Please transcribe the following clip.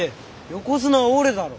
横綱は俺だろ。